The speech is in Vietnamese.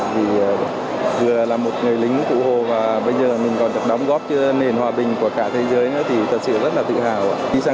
vì vừa là một người lính cụ hồ và bây giờ mình còn được đóng góp cho nền hòa bình của cả thế giới nữa thì thật sự rất là tự hào